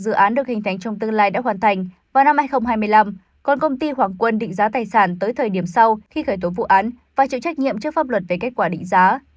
dự án được hình thành trong tương lai đã hoàn thành vào năm hai nghìn hai mươi năm còn công ty hoàng quân định giá tài sản tới thời điểm sau khi khởi tố vụ án và chịu trách nhiệm trước pháp luật về kết quả định giá